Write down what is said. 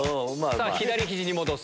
左肘に戻す。